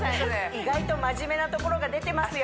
意外と真面目なところが出てますよ